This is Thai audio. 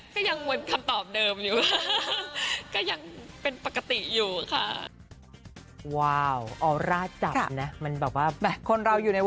ก็ยังเหมือนคำตอบเดิมอยู่